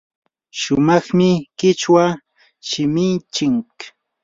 sumaqmi qichwa shiminchik.